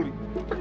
terima kasih dok